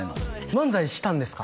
漫才したんですか？